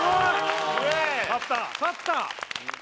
勝った！